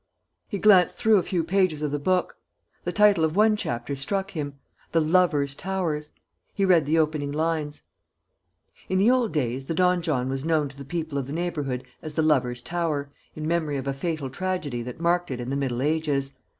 He glanced through a few pages of the book. The title of one chapter struck him: The Lovers' Towers. He read the opening lines: "In the old days, the donjon was known to the people of the neighbourhood as the Lovers' Tower, in memory of a fatal tragedy that marked it in the Middle Ages.